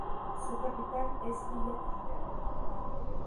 Su capital es Villa Cameron.